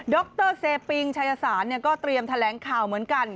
รเซปิงชายสารก็เตรียมแถลงข่าวเหมือนกัน